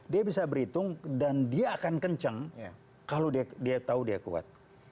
dia bisa berhitung dan dia akan kencang kalau dia tahu dia kuat